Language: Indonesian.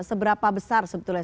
seberapa besar sebetulnya